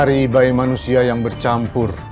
hari hari bayi manusia yang bercampur